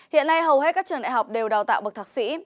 hiện nay hầu hết các trường đại học đều đào tạo bậc thạc sĩ